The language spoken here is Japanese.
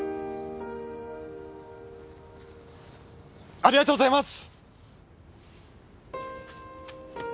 ありがとうございます！